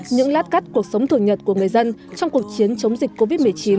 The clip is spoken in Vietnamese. những lát cắt cuộc sống thường nhật của người dân trong cuộc chiến chống dịch covid một mươi chín